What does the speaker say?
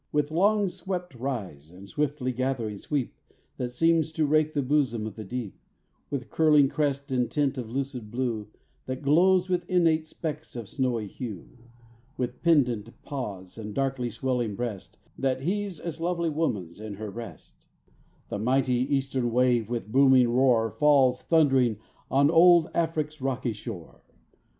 With long swept rise and swiftly gathering sweep, That seems to rake the bosom of the deep; With curling crest and tint of lucid blue, That glows with innate specks of snowy hue; With pendent pause and darkly swelling breast, That heaves as lovely woman's in her rest; The mighty eastern wave with booming roar Falls thund'ring on old Afric's rocky shore.